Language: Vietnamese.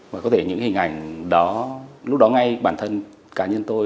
và có thể những hình ảnh đó lúc đó ngay bản thân cá nhân tôi